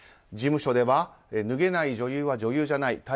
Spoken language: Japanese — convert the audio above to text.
事務所では脱げない女優は女優じゃない。